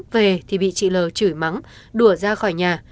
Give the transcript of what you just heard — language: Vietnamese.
về thì bị chị lờ chửi mắng đùa ra khỏi nhà